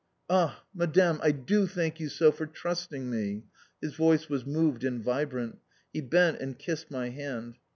"Ah, Madame, I do thank you so for trusting me!" His voice was moved and vibrant. He bent and kissed my hand.